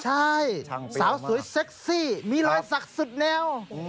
ใช่สาวสวยเซ็กซี่มีรอยสักสุดแนว